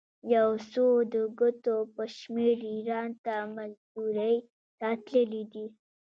یو څو د ګوتو په شمېر ایران ته مزدورۍ ته تللي دي.